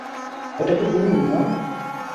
এটা কি তুমি, মা?